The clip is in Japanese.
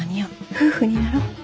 夫婦になろう。